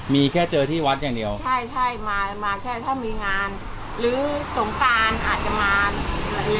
มีแค่เจอที่วัดอย่างเดียวใช่ใช่มามาแค่ถ้ามีงานหรือสงการอาจจะมาดี